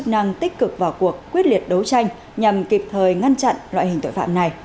chức năng tích cực vào cuộc quyết liệt đấu tranh nhằm kịp thời ngăn chặn loại hình tội phạm này